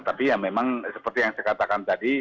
tapi ya memang seperti yang saya katakan tadi